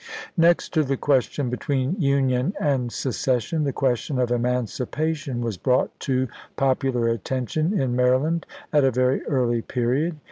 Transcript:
Next to the question between union and seces sion, the question of emancipation was brought to popular attention in Maryland at a very early period.